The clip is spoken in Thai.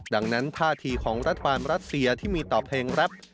ดังนั้นท่าทีของรัฐบาลรัสเซียที่มีต่อเพลงแรป